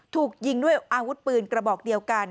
ถูกยิงด้วยอาวุธปืนกระบอกเดียวกัน